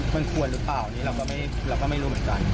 มันควรหรือเปล่าอันนี้เราก็ไม่รู้เหมือนกัน